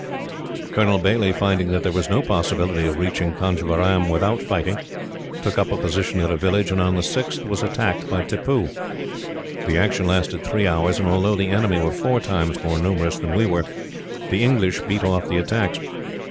"Colonel Baillie, finding that there was no possibility of reaching Conjeveram without fighting, took up a position at a village, and on the 6th was attacked by Tippoo. The action lasted three hours, and although the enemy were four times more numerous than we were, the English beat off the attacks.